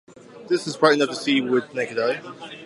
This is bright enough to be seen with the naked eye.